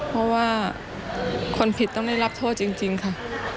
เพราะว่าคนผิดต้องได้รับโทษจริงค่ะ